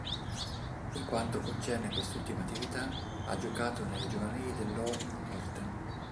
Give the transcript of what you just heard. Per quanto concerne quest'ultima attività, ha giocato nelle giovanili dell'Ørn-Horten.